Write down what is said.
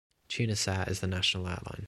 Tunisair is the national airline.